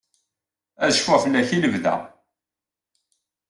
Ad cfuɣ fell-ak i lebda.